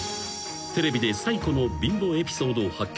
［テレビで最古の貧乏エピソードを発見。